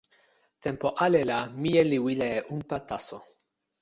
tenpo ale la mije li wile e unpa taso.